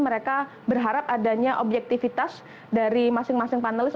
mereka berharap adanya objektivitas dari masing masing panelis